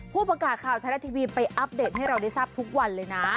ผู้ประกาศข่าวไทยรัฐทีวีไปอัปเดตให้เราได้ทราบทุกวันเลยนะ